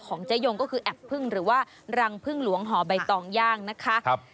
เจ๊ยงก็คือแอบพึ่งหรือว่ารังพึ่งหลวงห่อใบตองย่างนะคะ